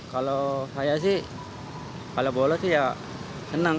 kalau saya sih kalau bola sih ya senang